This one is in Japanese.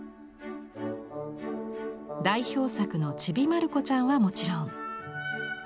代表作の「ちびまる子ちゃん」はもちろん。